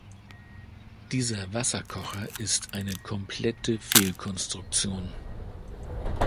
Dieser Wasserkocher ist eine komplette Fehlkonstruktion.